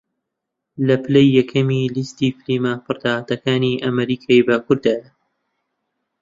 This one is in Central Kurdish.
لە پلەی یەکەمی لیستی فیلمە پڕداهاتەکانی ئەمریکای باکووردایە